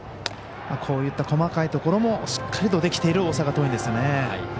こういった細かいところもしっかりとできている大阪桐蔭ですよね。